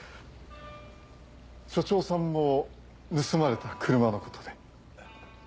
署長さんも盗まれた車のことで？